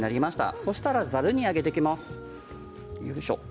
そうしたらざるに上げていきます。